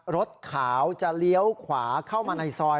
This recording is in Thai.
รถขาวจะเลี้ยวขวาเข้ามาในซอย